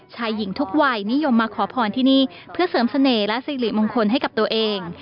ชายหญิงทุกวัยนิยมมาขอพรที่นี่เพื่อเสริมเสน่ห์และสิริมงคลให้กับตัวเอง